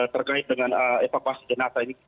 terkait dengan evakuasi jenazah ini